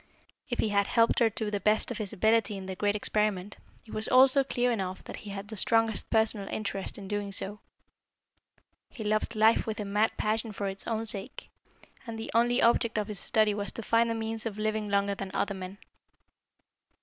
If he had helped her to the best of his ability in the great experiment, it was also clear enough that he had the strongest personal interest in doing so. He loved life with a mad passion for its own sake, and the only object of his study was to find a means of living longer than other men.